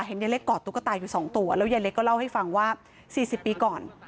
เห็นเยล็กกอดตุ๊กตาอยู่สองตัวแล้วเยล็กก็เล่าให้ฟังว่าสี่สิบปีก่อน